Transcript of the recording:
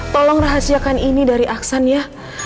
tolong rahasiakan ini dari aksan ya